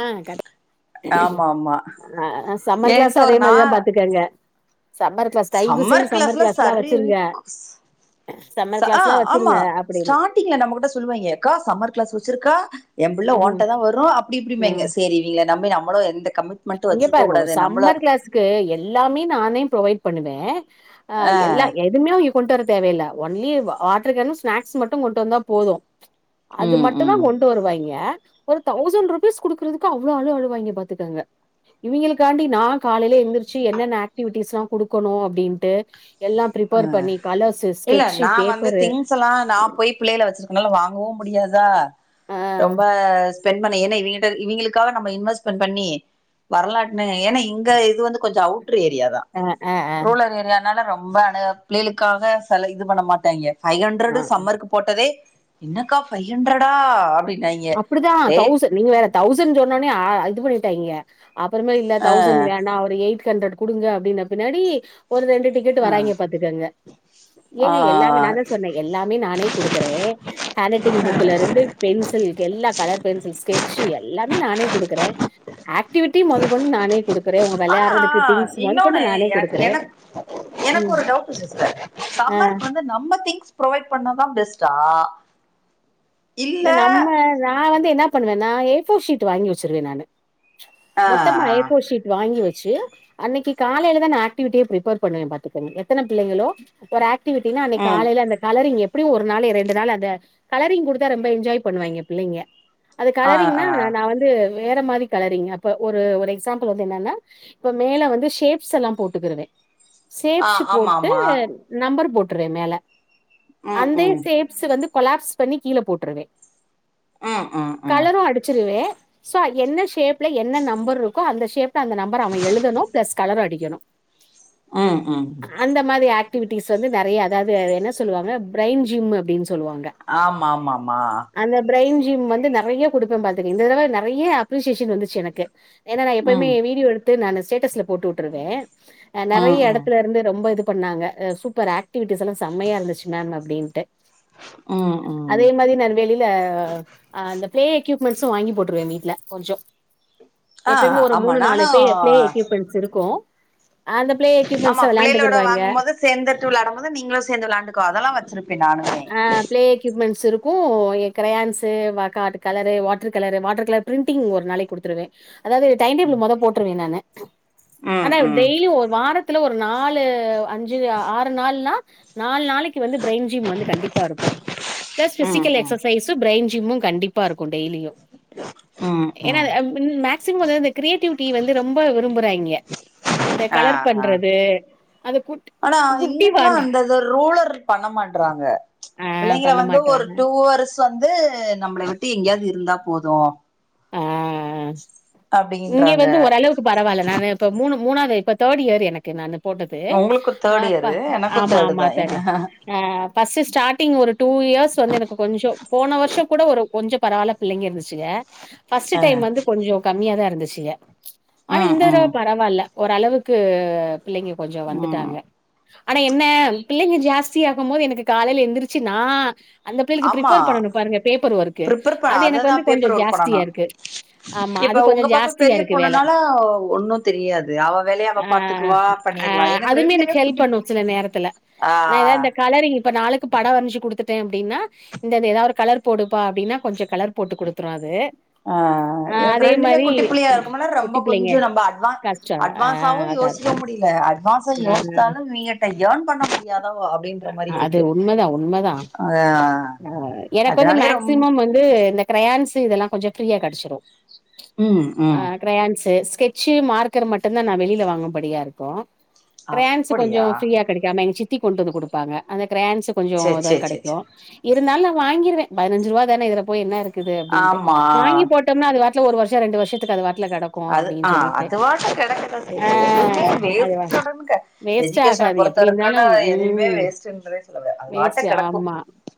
ஆ கர்ட்டு ஆமா ஆமா சம்மர் கிளாஸ்சு என்ட்ட அதே ஒரு நா மாரிதா பாத்துக்கங்க சம்மர் கிளாஸ் தைவுசெய்து சம்மர் கிளாஸ்ல கிளாஸ்ல்லா சரி வச்சிருங்க சம்மர் கிளாஸ்லா வச்சிருங்க அப்படினு ட்டீங்ளா நம்மகிட்ட சொல்வாய்ங்க யக்கா சம்மர் கிளாஸ் வச்சிருக்கா எம்பிள்ள ம் ஓன்ட தா வரு அப்டி இப்டிபாய்ங்க ம் செரி இவிங்கள நம்பி நம்மளு எந்த கமிட் இங்க பாருங்கோ சம்மர் கிளாஸ் கு எல்லாமே நானே ப்ரொவைட் பண்ணுவே அ எல்லா எ தும்மே அவிங்க கொண்டு வர தேவையில்ல ஒன்லி வாட்ருக்கேன்னு ஸ்நாக்ஸ் மட்டு கொண்டு வந்தா போது அது ம் மட்டுதா ம் கொண்டு வருவாய்ங்க ஒரு தௌசண்ட் ருபீஸ் குடுக்குறதுக்கு அவ்ளோ அழு அழுவாய்ங்க பாத்துக்கங்க இவிங்களுக்காண்டி நா காலையில எந்திரிச்சு என்னென்ன ஆக்டிவட்டிஸ்ல்லா குடுக்கணு அப்டின்ட்டு எல்லா ஆ ப்ரிப்பர் பண்ணி கால்ல ஸ் சு ஸ்கெட்சு பேப்பரு சுல்லா நா போய் பிள்ளைகல வச்சிருக்கனால வாங்கவு முடியாதா ஆ ரொம்ப ஸ்பெண்ட் பண்ணி ஏன்னா இவிங்கள்ட்ட இவிங்களுக்காக நம்ம இன்வெஸ்ட்மெண்ட் பண்ணி வரலாட்னு ஏன்னா இங்க இது வந்து கொஞ்ச அவுட்ரு ஏரியா தா ஆ ஆ ரூலன் ஏரியானால ரொம்ப அட பிளெகளுக்காக ச இது பண்ண மாட்டாய்ங்க ஃபை ஆ ஹண்ட்ரடு ஆ சம்மருக்கு போட்டதே என்னக்கா ஃபை ஹண்ட்ரடா அப்டி அப்டிதா தௌசண் நீங்க வேற தௌசண் சொன்னொன்னே அ இது பண்ணிட்டாய்ங்க அப்பறமே இல்ல ஆ தௌசண் வேணா ஒரு எய்ட் யிட் ஹண்ரட் குடுங்க அப்டின பின்னாடி ஒரு ரெண்டு டிக்கெட் ஆ வராய்ங்க பாத்துக்கங்க ஆ ஏங்க எல்லாமே நா தா சொன்னே எல்லாமே நானே குடுக்குறே ஹேண்ட்ரைட்டிங் புக்ல இருந்து பென்ஸ் சில் எல்லா கலர் பென்சில் ஸ்கெட்சு எல்லாமே நானே குடுக்குறே ஆக்டிவிட்டி மொத கொண்டு நானே குடுக்குறே உங்க ஆனா வெளயாட்றதுக்கு திங்க்ஸ் மொதக்கொண்டு இன்னொன்னு நானே எனக்கு குடுக்குறே எனக் எனக்கு ம் ஒரு டவுட் சிஸ்டர் ஆ சம்மர் வந் து நம்ம திங்க்ஸ் ப்ரொவைட் பண்ணா தா பெஸ்ட்டா இல்ல இது நம்ம நா வந்து என்ன பண்ணுவனா ஏ ஃபோர் ஷீட் வாங்கி வெச்சிருவே நானு ஆ மொத்தமா ஏ ஃபோர் ஷீட் வாங்கி வெச்சு அன்னெக்கி காலேலதா நா ஆக்டிவிட்டியே ப்ரிப்பேர் பண்ணுவே பாத்துக்கங்க எத்தன பிள்ளெங்களோ ஒரு ஆக்டிவிட்டினா அன்னெக்கி ம் காலேல அந்த கலரிங் எப்டியு ஒரு நாள் ரெண்டு நாள் அந்த கலரிங் குடுத் த்தா ரொம்ப என்ஜாய் பண்ணுவாய்ங்க புள்ளைங்க அது ஆ கலரிங்னா ஆ நா வந் து வேற மாரி கலரிங் அப்ப ஒரு எக்ஸாம்பிள் வந்து என்னன்னா இப்ப மேல வந்து ஷேப்ஸ் எல்லா போட்டுக்கிருவே ஆ சேப்ஷு ஆமா போட்டு ஆமா நம்பர் போட்ருவே மேல ம் அந்தே ம் சேப்ஸ் வந்து கொலாப்ஸ் பண்ணி கீழ போட்ருவே ம் ம் ம் கலரு அடிச்சிருவே சோ என்ன ஷேப்ல என்ன நம்பர் இருக்கோ அந்த ஷேப்ல அந்த நம்பர் அவன் எழுதணு ப்ளஸ் கலரு அடிக்கெணு அ அ இந்த மாரி ஆக்டிவிட்டிஸ் வந்து நறையா அதாவ்து என்ன சொல்லுவாங்க ப்ரெயின் ஜிம் அப்டின்னு சொல்லுவாங்க ஆமா ஆமா ஆமா அந்த ப்ரையின் ஜிம் வந்து நறையா குடுப்பேன் பாத்துக்கேங்க இந்த தடவ நறையா அப்ரிசியேஷன் வந்துச்சு எனக்கு என்னா நா எப்பயுமே ம் வீடியோ எடுத்து நானு ஸ்டேட்டஸ்ல போட்டு உட்டுருவே ம் நறையா ம் இடத்துல இருந்து ரொம்ப இது பண்ணாங்க சூப்பர் ஆக்டிவிட்டிஸ் எல்லா செமையாக இருந்துச்சு மேம் அப்டின்ட்டு ம் ம் அதே மாரி நானு வெளில அ அந்த ப்ளே எக்யூப்மண்ட்ஸு வாங்கி போட்ருவே வீட்ல கொஞ்சொ ஆ எப்பெய்மே ஒரு ஆமா மூனு நாலு நானு பே ப்ளே எக்யூப்மண்ட்ஸ் இருக்கு அந்த பிளே ஆமா எக்யூப்மெண்ட்ஸ பிள்ளைகளோட விளையாண்டுக்கிருவாய்ங்க. வாங்கும் போது சேந்துட்டு விளாடும் போது நீங்களு சேந்து விளாண்டுக்கோ அதெல்லா வெச்சிருப்பே நானு ஆ ப்ளே எக்யூப்மண்ட்ஸ் இருக்கு ஏ க்ரையான்ஸு வாக் காட்டு colour water colour water colour printing ஒரு நாளெக்கி குடுத்துருவே அதாவது டைம் டேபிள் மொத போட்ருவே நானு ம் ஆனா ம் டெய்லி ஒரு வாரத் துல ஒரு நாலு அஞ்சு ஆ ஆறு நாள்னா நாலு நாளெக்கி வந்து ப்ரன் ஜீம் வந்து கண்டிப்பா இரு ப்ளஸ் ம் பிசிக்கல் ம் எக்சசைஸு ப்ரெயின் ஜிம்மு கண்டிப்பா இருக்கு டெய்லியு ம் எனா ம் மேக்சிமம் வந்து இந்த க்ரியேட்டிவிட்டி வந்து ரொம்போ விரும்புறாங்க அந்த ஆ கலர் ஆ பண்றது அது குட் ஆனா குட்டி இங்கிட்டலா வாண்டு அந்த ரூலர் பண்ணமாட்றாங்க ஆ பிள்ளெங்கள பண்ண வந்து வந்து ஒரு மாட்றாங்க. டூ ஹவர்ஸ் வந்து நம்மள விட்டு எங்கயாவ்து இருந்தா போது ஆ இங்க அப்டின்றாங்க வந்து ஓரளவுக் கு பரவால்ல நானு இப்ப மூ மூணாவது இ இப்ப தேர்ட் இயர் எனக்கு நானு போட்டது உங்களுக்கு தேர்ட் அப்ப இயரு எனக்கு ஆமா ஆமா தா தேர்டு ஆ பஸ்ட்டு ஸ்டாட்டிங் ஒரு டூ இயர்ஸ் வந்து எனக்கு கொஞ்சோ போன வருஷோ கூட ஒரு கொஞ்சோ பரவாயில்ல பிள்ளங்க இருந்துச்சுங்க பஸ்ட்டு டைம் வந்து கொஞ்சோ கம்மியா தா இருந்துச்சுங்க ஆனா ம் இந்த தடவ ம் பரவால்ல ஓரளவுக்கு பிள்ளைங்க கொஞ்சோ ம் வந்துட்டாங்க ஆனா என்ன பிள்ளைங்க ஜாஸ்திய இருக்கும் போது எனக்கு காலேயில எழுந்துருச்சு நா அந்த பிள்ளைக்கு ஆமா பிரப்பேர் பண்ணணு பாருங்க பேப்பர் ஒர்க்கு ப்ரிப்பேர் ப அது எனக்கு அததா வந்து கொஞ்ச பேப்பர் ஒர்க் ஜாஸ்தி இப்ப உங்க பாப்ப ஜாஸ்தியா பெரிய இருக்கு வேல பொண்ணுனால ஒன்னு தெரியாது அவ வேளய ஆ அதுமே எனக்கு ஹெல்ப் குட்டி பண்ணு சில நேரத்துல ஆ ந ஏதாவது இந்த கலரிங் இப்ப நாளைக்கு பட வரஞ்சு குடுத்துட்டே அப்டின்னா இந்த ஏதாவது கலர் போடுப்பா அப்டின்னா கொஞ்ச கலர் போட்டு குடுத்துரு அது ஆஆ ஆ எனக்கு அதே ரெண்டுமே மாரி குட்டி புள்ளியா இருக்கு குட்டி ரொம்ப பிள்ளைங்க கொஞ்ச நம்ம அட்வான் கஷ்டம். ஆ அட்வான்ஸாவு அதான் யோசிக்க முடியல அட்வான்ஸ் ஆ யோசித்தாலு இவிங்ககிட்ட ஏர்ன் பண்ண முடியாதோ அப்டின்ற மாரி அது இருக்கு உண்மதான் உண்மதான். ஆ எனக்கு வந்து அதனாலயே ரொம் மேக்சிமம் வந்து து இந்த கிரையான்ஸ் இதெல்லா கொஞ்ச ஃப்ரீயா கெடச்சிடு உம் உம் கிரையான்சு ஸ்கெட்சு மார்க்கர் மட்டுந்தா நா வெளியில வாங்கும்படியா இருக்கு கிரோன்ஸ்ஸு கொஞ்சோ அப்படியா ஃப்ரீய கெடைக்கு ஆமா எ சித்தி கொண்டு வந்து குடுப்பாங்க அந்த கிரையன்ஸு கொஞ்சோ சேர் இதா சேர் சேர் கெடைக்கு சேர் இருந்தாலு வாங்கிருவே பதினஞ்சு ரூபா தான இதுல போய் என்ன இருக்குது அப்டின்ட்டு ஆமா ட்டம் அது வாட்டல ஒரு வருஷ ரெண்டு வருஷத்துக்கு அது வாட்ல கெடக் கு அது அப்டின் ஆ சொல்லிட்டு அதுவாட்ட கெடக்கதா ஆ செய்து எதுவுமே அது வேஸ்டுடன்க வேஸ்ட் எஜுகேஷன ஆகாது பொறுத்த எப்டி இருந்தாலு வரைக்குன்னு எதுவுமே ம் வேஸ்ட்ன்றதே சொல்லவே அது வாட்ட வேஸ்ட் கெடக்கு ஆமா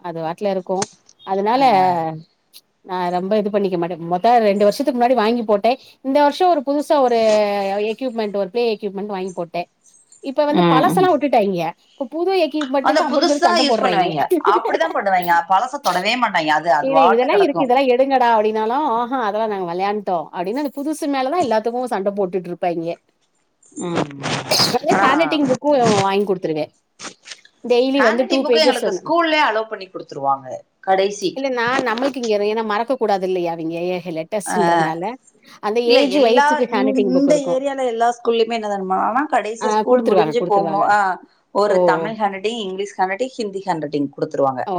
அது வாட்டுல இருக்கு அதனால நா ரொம்ப இது பண்ணிக்க மாட்ட மொத ரெண்டு வருஷத்துக்கு முன்னாடி வாங்கி போட்டே இந்த வருஷோ ஒரு புதுசா ஒரு எக்யூப்மெண்ட் ஒரு பிளே எக்யூப்மெண்ட் வாங்கி போட்டே இப்ப வந்து ம் ம் பலசெல்லா விட்டுட்டாங்க இப்ப புது அந்த எக்கிப்மென்ட்டுக்கு அம்புட்டு பேரு புதுசா சண்ட யூஸ் போட்றாய்ங்க பண்ணுவாய்ங்க அப்டிதா பண்ணுவாய்ங்க பழச தொடவே மாட்டாய்ங்க அது அது ஏல வாட்ட இதலா இருக்கு கெடக்கு இதலா அப்டின்னாலு ஆக அதெல்லா நாங்க வெளையாண்ட்டோ அப்டின்னு அந்த புதுசு மேலேதா எல்லார் திரும்பவு சண்ட போட்டுட்ர்ப்பாய்ங்க ம் கூடவே ஆ ஹேன்ரைட்டிங் புக்கு வாங்கி குடுத்துர்வே டெய்லி ஹேண்ட் வந்து டூ ரைட்டிங் புக்கு பேஜஸ் எங்களுக்கு சொன்ன ஸ்கூல்லயே அலோ பண்ணி குடுத்துருவாங்க கடைசி இல்ல நா நம்மளுக் டிங்கது ஏனா மறக்கூடாது இல்லயா அவிங்க ஏகல அ இல்ல எல்லா வயசுக்கு ஹேண்ட் இந் ரைட்டிங் புக் இந்த இருக்கு ஏரியால எல்லா ஸ்கூல்லயுமே என்ன தெர்மனா ஆ கடைசியா ஸ்கூல் குடுத்துருவாங்க முடிஞ்சி குடுத்துருவாங்க போமோஅ ஒரு ஓ Tamil handwriting English handwriting Hindi handwriting குடுத்துருவாங்க ஓ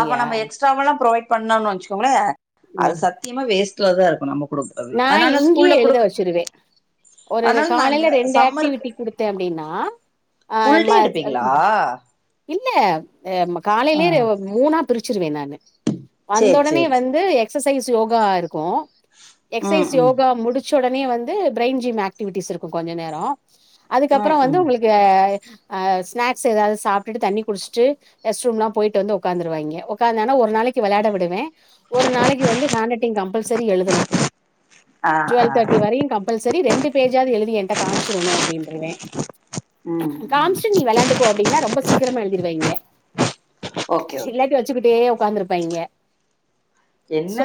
அப்ப நம்ம எக்ஸ்ட் ல்லா ப்ரொவைட் பண்ணோனு வச்சுக்கோங்ளே அது சத்தியமா வேஸ்ட் தா இருக்கு நமக்கு நா இங்கேயே எழுத வச்சிருவே ஒரு ர அதனால நாங்க காலேல ரெண்டு சம்மருக்கு ஆக்டிவிட்டி குடுத்தே அப்டின்னா ஆ ஃபுல் டே எம்மா அச்சா எடுப்பீங்களா இல்ல அ ஆ, காலேல ரே மூனா பிரிச்சிருவே நானு வந்த சரி ஒடனே சரி சரி வந்து எக்ச்சைஸ் யோகா இருக்கு ம் எக்ஸ்சைஸ் ம் யோகா முடிச்ச ஒடனே வந்து பிரயின் ஜிம் ஆக்டிவிட்டிஸ் இருக்கு கொஞ்ச நேரோ அதுக்கப்பறோ ம் வந்து ம் உங்ளுக்கு அ ஸ்நாக்ஸ் ஏதாது சாப்ட்டுட்டு தண்ணு குடுச்சிட்டு ரெஸ்ட்ரூம்லா போயிட்டு வந்து ஒக்காந்துருவாய்ங்க ஒக்காந்தான ஒரு நாளைக்கு வெளாட விடுவே ஒரு நாளைக்கு வந்து ஹேண்ட் ரைட்டிங் கம்பல்சரி எழுதணு [inaudible] டுவெல் தோட்டி வரையு கம்பல்சரி ரெண்டு பேஜாவது எழுதி என்ட்ட காமுச்சுர்னு அப்டின்ருவே ம் காமுச்சுட்டு நீ வெளான்டுக்கோ அப்டின்னா ரொம்ப சீக்கிரமா எழுதிடுவாய்ங்க ஓகே ஓகே இல்லாட்டி ஓகே வெச்சுக்கிட்டே உக்காந்திருப்பாய்ங்க என்ன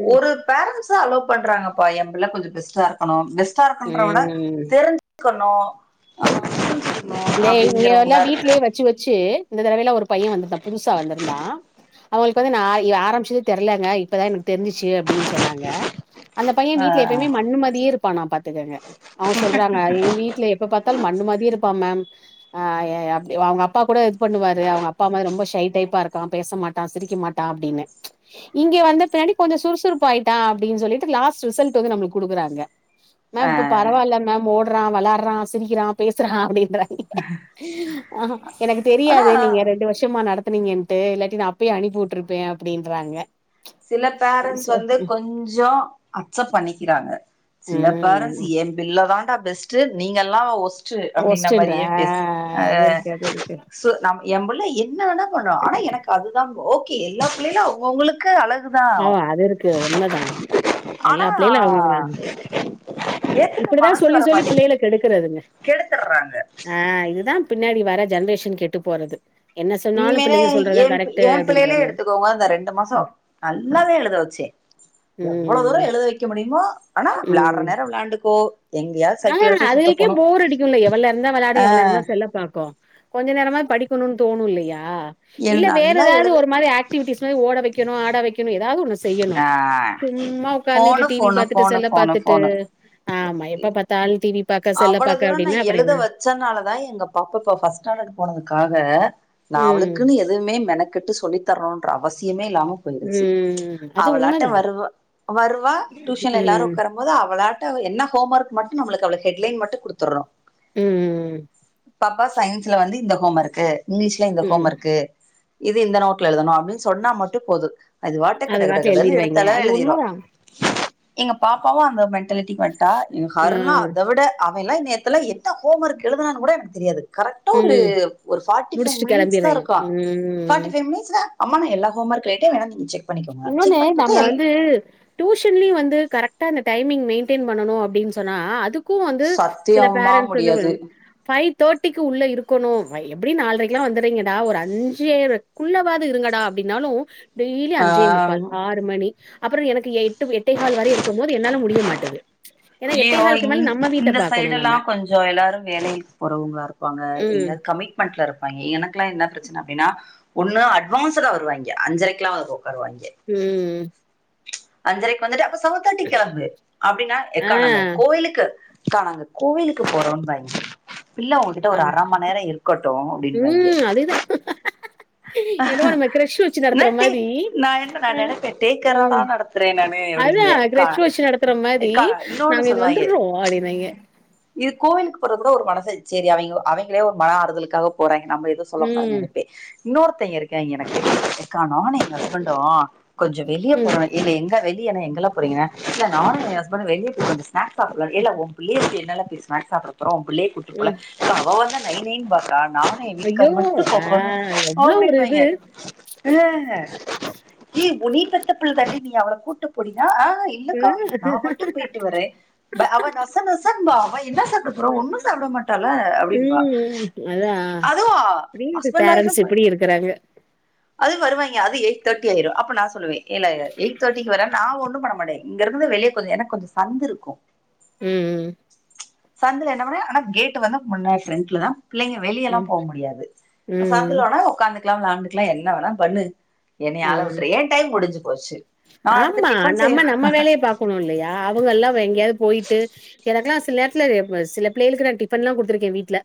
ம் ஒரு பேரண்ட்ஸ்தா அலோவ் பண்றாங்கப்பா ஏம் புள்ள கொஞ்சோ பெஸ்ட்டா இருக்கனும் பெஸ்டா இருக்கனுன்றத விட தெருஞ் க்கணு தே இவுங்கல்லா இருக்கு வீட்லயே வெச் வெச்சு வெச்சு இந்த தடவைலா ஒரு பைய வந்துருந்தா புதுசா வந்துருந்தா அவுங்ளுக்கு வந்து நா ஏ ஆரம்பிச்சதே தெர்லங்க இப்பதா எனக்கு தெருஞ்சுச்சு அப்டின் சொன்னாங்க அந்த பைய ஆ, வீட்ல எப்பயுமே மண்ணுமதியே இருப்பானா பாத்துக்குங்க அவுங்க சொல்றாங்க எங்க வீட்ல எப்ப பாத் தால மண்ணு மாரியே இருப்பா மேம் ஆ ஏ அப்டி அவுங்க அப்பா கூட இது பண்ணுவாரு அவுங்க அப்பா மாரி ரொம்ப ஷை டைப்பா இருக்காம் பேச மாட் ட்டா சிரிக்க மாட்டா அப்டின்னு இங்கே வந்த பின்னாடி கொஞ்சோ சுறுசுறுப்பாயிட்டா அப்டின் சொல்லிட்டு லாஸ்ட்டு ரிசல்ட்டு வந்து நம்மளுக்கு குடுக்குறாங்க ஆ. மேம் இப்ப பரவால்ல மேம் ஓடுறா வெளாடேறா சிரிக்கிறா பேசுறா அப்டின்ற ஆ எனக்கு ஆனா தெரியாது நீங்க ரெண்டு வருஷ் ட்டுமா நடத்துனீங்கன்ட்டு இல்லாட்டி நா அப்பியே அனுப்பி உட்டுருப்பே அப்டின்றாங்க சில பேரண்ட்ஸ் வந்து கொஞ்சோ அக்சப்ட் பண்ணிக்கிறாங்க சில ம் பேரன்ஸ் ஏம் பிள்ளதான்டா பெஸ்ட்டு நீங்கெல்லா ஒஸ் ட்டு அப்டின்ன ஒஸ்டன்டா மாரியே பேஸ் அ அது இருக்கு அது இருக்கு சு நாம் ஏம் புள்ள என்ன வேணா பண்ணு ஆனா எனக்கு அதுதா ஓகே எல்லா பிள்ளைங்களு அவுங்கவுங்களுக்கு அழகு குதா ஆ அது இருக்கு உண்மதா ஆனா எல்லா பிள்ளைகளு அவங்கதா ஏத்துக்க இப்டிதா மனசு சொல்லி வர சொல்லி மாட்டிங் பிள்ளைகள கெடுக்குறதுங்க கெடுத்துர்றாங்க ஆ இதுதாம் பின்னாடி வர ஜென்ரேஷன் கெட்டு போறது என்ன சொன்னாலு உண்மலே பிள்ளைங்க சொல்றதா ஏம்பி கரெக்ட்டு ஏம் அப்டின்ற பிள்ளகளே மாரி எடுத்துக்கோங்க அந்த ரெண்டு மாசோ நல்லாவே எழுத வெச்சே எவ்ளோ தூரோ ம் எழுத வெக்க முடியுமோ ஆனா ம் விளயாடுற நேரோ விளாண்டுக்கோ எங்கயாவது ஆ சைக்கிள் எடுத்து சுத்த அதுகளுக்கே போணு போர் அடிக்கு இல்ல எவள நேரந்தா விளாயாடு ஆ எவள நேரந்தா செல்ல பாக்கு கொஞ்ச நேரமாது படிக்கணுன் தோணு இல்லையா எழு இல்ல வேற நல்லா எதாவது எழுது ஒரு மாரி ஏக் ஏக்ட்டி விட்டிஸ்ஸு ஓட வெக்கனு ஆட வெக் க்கணு எதாவது ஒன்னு செய்யணு ஆ சும்மா உக்காந்துட்டு ஃபோனு டிவி ஃபோனு பாத்துட்டு ஃபோனு செல்ல ஃபோனு பாத்துட்டு ஃபோனு ஆமா எப்ப பாத்தாலு டிவி பாக்க செல்ல பாக்க அப்டின்னா அப்புறோ என்ன பச்சனாலதா எங்க பாப்பா இப்ப ஃபஸ்ட் ரேங்குக்கு போனதுக்காக நான் ம் அவளுக்குன்னு எ எதுமே மெனக்கட்டு சொல்லித்தரனுன்ற அவசியமே இல்லாம போயிருச்சு ம் அது அவளாட்ட உண்மதா வருவ வருவா டியூஷன் எல்லாரு ம் உக்காரம் போது அவளாட்ட என்ன ஹோம் ஒர்க் மட்டு நம்முளுக்கு என்ன அவளுக்கு ஹெட்லைன் மட்டு குடுத்துர்றோ ம் பாப்பா சயின்ஸ்ல வந்து இந்த ஹோம் ஒர்க்கு இங்கிலீஷ்ல இந்த ஹோம் ம் ஒர்க்கு இது இந்த நோட்ல எழுதணு அப்டின் சொன்னா மட்டு போது அது வாட்டுக் கட கட பாட்ல கடன்னு எழுதிருவாய்ங்க எழுத்தளா அது எழுதிரு உண்மதா எங்க பாப்பாவு அந்த மென்டாலிட்டிக்கு வன்ட்டா எங்க ஹருன்லா ம் விட அவ எல்லா நேத்தெல்லா என ஹோம் ஒர்க் எழுதுனானுங் கூட எனக்கு தெரியாது கரெக்டா ஒரு ம் ஒரு பார்ட்டி ஃபைவ் முடிச்சுட்டு மினிட்ஸ் தா கெளம்பிறாய்ங்க இருக்கு ம் பாட்டி ஃபைவ் மினிட்ஸ்ல அம்மா நா எல்லா ஹோம்ர்க் எழுதிட்ட வேணா நீங்க செக் பண்ணிக்கோங்க இன்னொன்னு செக் பண்ணி நம்ம பாத்தா எல் வந்து டியூஷன்லயு வந்து கரெக்டா அந்த டைமிங் மெயின்டென் பண்ணனு அப்டின் சொன்னா அதுக் அதுக்கும் வந்து சில சத்தியமா பேரண்ட்ஸ் வந்து முடியாது ஃபைவ் தேர்ட்டிக்கு உள்ள இருக்கணும் எப்புடியூ நால்ரைக்கெலாம் வந்துறீங்கடா ஒரு அஞ்சர க்குள்ளவாது இருங்கடா அப்படின்னாலு டெய்லி ஆ அஞ்சேமுக்கால் ஆறு மணி அப்புற எனக்கு எட்டு எட்டே கால் வரை இருக்கும் போது என்னால முடிய மாட்டேது இ ஓ இந்த பாக்கணு சைட் நம்ம எல்லாம் கொஞ்சம் எல்லாரும் வேலைக்கு போறவங்களா இருப்பாங்க ம் எங்காவது கமிட் மெண்ட்ல இருப்பாய்ங்க எனக்குல்லா என்ன பிரச்சன அப்டின்னா ஒன்னு அட்வான்ஸ்டா வருவாய்ங்க அஞ்சரைக்கெல்லா வந்து உக்காருவாய்ங்க ம்ம் அஞ்சரைக்கு வந்துட்டு அப்ப செவன்தேட்டிக்கு கெளம்பு அப்டின்னா ஆ எக்கா நாங்க கோயிலுக்கு எக்கா நாங்க கோயிலுக்கு போறோம்பாய்ங்க பிள்ள உங்க ட்ட ஒரு அது அரை மண் நேரம் இருக்கட்டும் அப்டின்பாங்கே அப்டிதான் நடத்துற நட்டி மாரி நா என்னடா நா ஆ நெனப்பே டேக் ம் கேராடா நடத் துறே நானு அப்டின்பே அதான் அக்கா கிரச்சுவேஷன் நடத்துற மாரி அக்கா இன்னோன்னு நாங்க இது சொல்லுவாய்ங்க வந்துடுறோம் அப்டின்னாய்ங்க இதுக் கோவிலுக்கு போற கூட ஒரு மனசு சரி அவங்க அவங்களே ஒரு மன ஆறுதலுக்காக போறாங்க நம்ம எதுவு சொல்லக்கூடாது ம் நெனப்பே இன்னோருத்தங்க இருக்காய்ங்க எனக்கு எக்கா நானு ஏ ஹஸ்பண்டூ கொஞ்ச வெளிய ம் போறோம் இல்ல எங்க வெளியேன எங்கல்ல போறீங்கனா இல்ல நானும் என் ஹஸ்பண்ட் வெளிய போய்ட்டு வந்து ஸ்நாக் சாப்பிடலா ஏல்ல உம்புள்ளய விட்டு என்னெல்ல போய் ஸ்நாக்ஸ் சாப்ட போற உம்புள்ளைய கூட்டிட்டு போல ம் அவ வந்தா நைநைன்னு இருப்பாக்கா நானு என் ஐயோ வீட்டுக்காரு மட்டும் ஆ போகப்போறோ எவ்ளோ ஒரு இது அப்டிம்பாய்ங்க ஆ ஏ நீ பெத்த புள்ள தாண்டி நீ அவ்ள கூட்டு போடினா ஆஹ இல்லக்கா ஆ நா மட்டும் போய்ட்டு வரே அவ நசநச மாட்டாள அப்படின்பா ம்ம் அதா அதுவா ஏ இந்த ஹஸ்பண்ட் பேரண்ட்ஸ் ஒய்ஃபும் போய் இப்புடி இருக்கிறாங்க அது வருவாய்ங்க அது எய்ட் தேட்டி ஆயிரு அப்ப நான் சொல்லுவே ஏல எயிட் தேட்டிக்கு வர நான் ஒன்னும் பண்ணமாட்டே இங்க இருந்து வெளிய கொஞ்ச எனக்கு கொஞ்ச சந்து இருக்கும் ம் ம் சந்துல என்ன பண்ணுவே ஆனா கேட்டு வந்து முன்னா ஃப்ரண்ட்ல பிள்ளைங்க வெளிய எல்லாம் ம் போக முடியாது ம் சந்துல வேணா உக்காந்துக்கலா விளாண்டுக்கலா என்ன வேணா பண்ணு என்னய ஆள ம் விட்ரு ஏன் டைம் முடிஞ்சு போச்சு நா அடுத்த டிஃபன் செய்ய போணுல்லையா அவங்கெல்லா எங்கேயாவது போய்ட்டு எனக்கெல்லா சில நேரத்துல சில பிள்ளைகளுக்கு நா டிஃபன்ல்லா குடுத்திருக்கே வீட்ல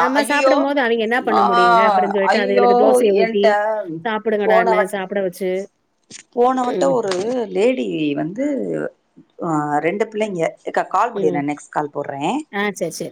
அ நம்ம ஐயையோ சாப்பிடும்போது அவய்ங்க என்ன ஆ பண்ண முடியுங்க அப்புறோ சொல்லிட்டு அதுகளுக்கு தோசைய ஊத்தி டம் சாப்பிடுங்கடான்னு சாப்ட வச்சு ம் அது லேடி வந்து அ ரெண்டு பிள்ளைங்க எக்கா கால் முடிய ம் நா நெக்ஸ்ட் கால் போடுறே ஆ சரி சரி